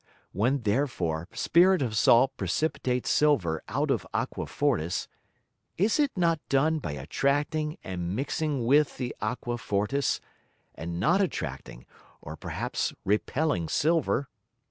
When therefore Spirit of Salt precipitates Silver out of Aqua fortis, is it not done by attracting and mixing with the Aqua fortis, and not attracting, or perhaps repelling Silver?